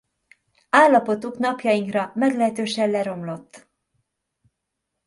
Állapotuk napjainkra meglehetősen leromlott.